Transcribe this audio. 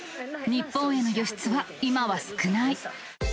日本への輸出は今は少ない。